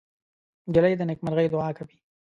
نجلۍ د نیکمرغۍ دعا کوي.